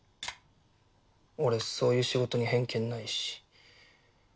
俺そういう仕事に偏見ないし。